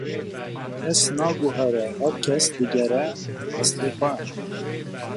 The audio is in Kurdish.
Kes naguhere, her kes vedigere eslê xwe.